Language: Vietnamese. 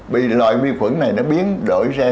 vì loại vi khuẩn này nó biến đổi ra